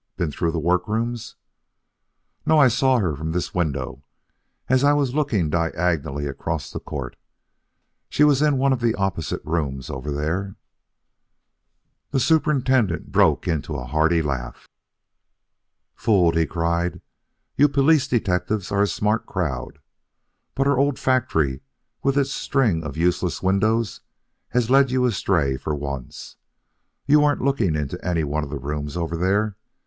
Been through the work rooms?" "No. I saw her from this window, as I was looking diagonally across the court. She was in one of the opposite rooms over there " The superintendent broke into a hearty laugh. "Fooled!" he cried. "You police detectives are a smart crowd, but our old factory with its string of useless windows has led you astray for once. You weren't looking into any one of the rooms over there.